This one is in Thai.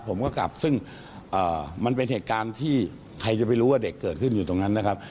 ผมก็กลับซึ่งมันเป็นเหตุการณ์ที่ใครจะไปรู้ว่าเด็กเกิดขึ้นอยู่ตรงนั้นนะครับ